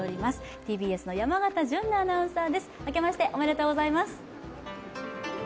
ＴＢＳの山形純菜アナウンサーです、明けましておめでとうございます。